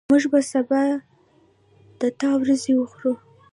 موږ به سبا د تا وریځي وخورو